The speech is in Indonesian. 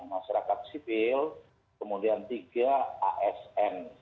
masyarakat sipil kemudian tiga asn